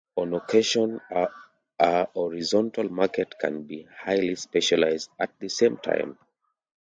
On occasion a horizontal market can be highly specialized at the same time.